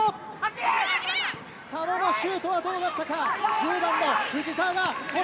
佐野のシュートはどうだったか。